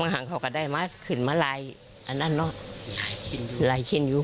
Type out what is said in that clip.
ว่าหังเขาก็ได้มาขึ้นมาลายอันเหนาลายชิ้นอยู่